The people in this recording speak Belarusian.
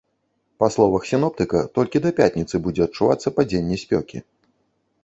Па словах сіноптыка, толькі да пятніцы будзе адчувацца падзенне спёкі.